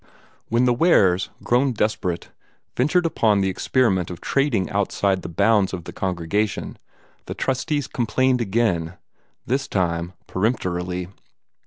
When the Wares, grown desperate, ventured upon the experiment of trading outside the bounds of the congregation, the trustees complained again, this time peremptorily.